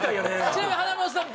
ちなみに華丸さん